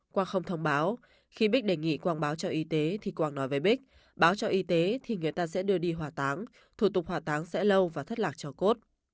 qua không thông báo khi bích đề nghị quảng báo cho y tế thì quang nói về bích báo cho y tế thì người ta sẽ đưa đi hỏa táng thủ tục hỏa táng sẽ lâu và thất lạc cho cốt